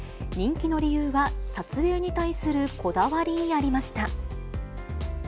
人気の理由は、撮影に対するこだわりにありました。